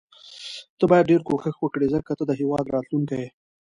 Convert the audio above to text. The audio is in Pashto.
ته باید ډیر کوښښ وکړي ځکه ته د هیواد راتلوونکی یې.